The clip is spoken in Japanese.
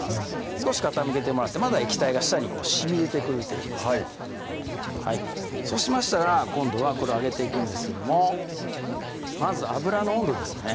少し傾けてもらってまだ液体が下にしみ出てくる程度ですねそうしましたら今度はこれを揚げていくんですけどもまず油の温度ですよね